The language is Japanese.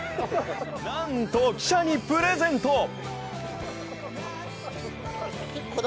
なんと記者にプレゼント。